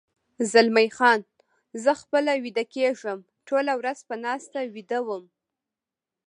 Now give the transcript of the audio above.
زلمی خان: زه خپله ویده کېږم، ټوله ورځ په ناسته ویده وم.